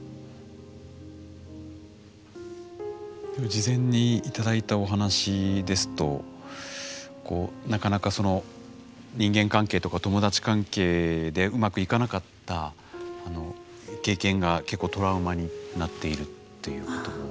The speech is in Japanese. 事前に頂いたお話ですとなかなか人間関係とか友達関係でうまくいかなかった経験が結構トラウマになっているということも。